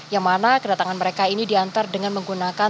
yang mana kedatangan mereka ini diantar dengan menggunakan